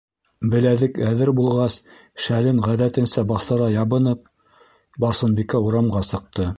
Беләҙек әҙер булғас, шәлен ғәҙәтенсә баҫыра ябынып, Барсынбикә урамға сыҡты.